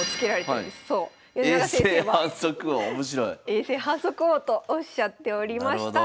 「永世反則王」とおっしゃっておりました。